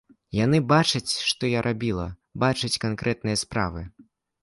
Яны бачаць, што я рабіла, бачаць канкрэтныя справы.